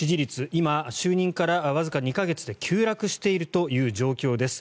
今、就任からわずか２か月で急落しているという状況です。